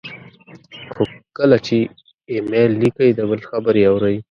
خو کله چې ایمیل لیکئ، د بل خبرې اورئ،